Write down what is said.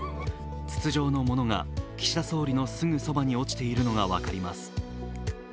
筒状の物が岸田総理のすぐそばに落ちているのが分かります。